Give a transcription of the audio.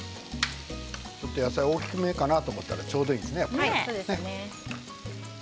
ちょっと野菜、大きめかなと思ったらちょうどいいですね